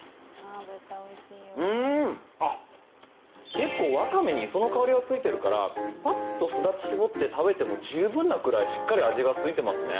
結構、ワカメに磯の香りがついているからパッとスダチを搾って食べても十分なくらいしっかり味がついていますね。